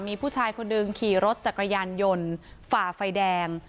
มีผู้ชายคนหนึ่งขี่รถจักรยานยนต์ฝ่าไฟแดง